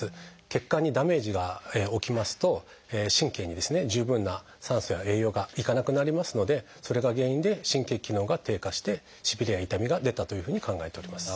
血管にダメージが起きますと神経に十分な酸素や栄養が行かなくなりますのでそれが原因で神経機能が低下してしびれや痛みが出たというふうに考えております。